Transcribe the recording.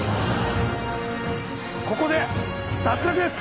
ここで脱落です